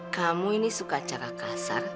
kamu ini suka cara kasar